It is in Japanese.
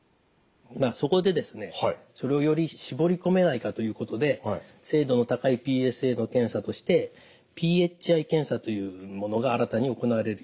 そこでですねそれをより絞り込めないかということで精度の高いＰＳＡの検査としてｐｈｉ検査というものが新たに行われるようになりました。